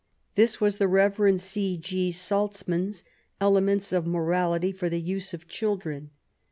This was the Rev. C. G. Salzmann's Elements of Morality f for the use of Children.